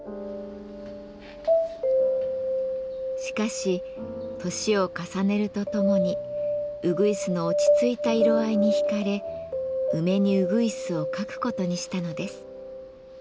しかし年を重ねるとともにうぐいすの落ち着いた色合いに引かれ「梅にうぐいす」を描くことにしたのです。